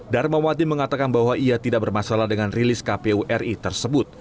darmawati mengatakan bahwa ia tidak bermasalah dengan rilis kpu ri tersebut